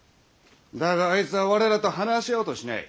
だがあいつは我らと話し合おうとしない。